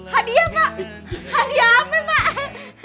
hadiah mak hadiah apa mak